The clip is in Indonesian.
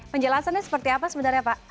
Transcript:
penjelasannya seperti apa sebenarnya pak